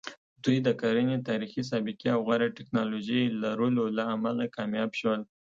دوی د کرنې تاریخي سابقې او غوره ټکنالوژۍ لرلو له امله کامیاب شول.